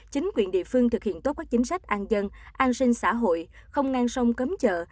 chính quyền địa phương thực hiện tốt các chính sách an dân an sinh xã hội không ngang sông cấm chợ